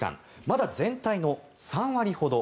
まだ全体の３割ほど。